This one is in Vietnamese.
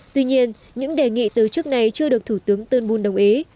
tuy nhiên những đề nghị từ chức này chưa được thủ tướng turnbul đồng ý